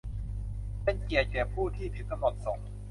เป็นเกียรติแก่ผู้ที่ถึงกำหนดส่ง !